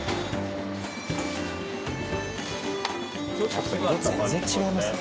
やっぱ色全然違いますね。